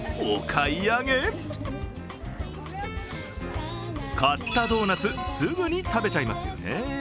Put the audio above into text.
買ったドーナツ、すぐに食べちゃいますよね。